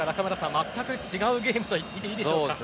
全く違うゲームと言っていいでしょうか。